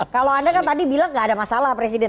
kalau anda kan tadi bilang nggak ada masalah presiden